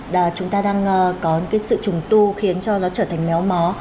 là chúng ta đang có những cái sự trùng tu khiến cho nó trở thành méo mó